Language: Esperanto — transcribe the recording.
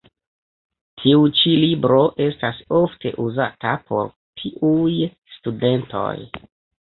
Tiu ĉi libro estas ofte uzata por tiuj studentoj.